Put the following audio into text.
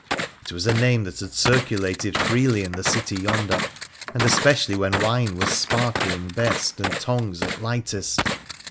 It was a name that had circulated freely in the city yonder, and especially when wine was sparkling best and tongues at lightest